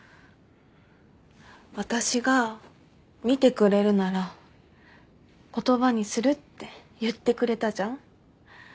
私が見てくれるなら言葉にするって言ってくれたじゃん。